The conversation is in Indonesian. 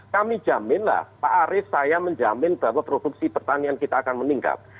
kami jaminlah pak arief saya menjamin bahwa produksi pertanian kita akan meningkat